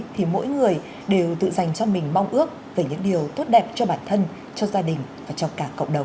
thì mỗi người đều tự dành cho mình mong ước về những điều tốt đẹp cho bản thân cho gia đình và cho cả cộng đồng